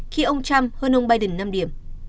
khi ông trump hơn ông biden năm điểm